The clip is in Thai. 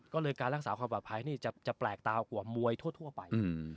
ก็เลยการรักษาความปลอดภัยนี่จะแปลกตากว่ามวยทั่วไป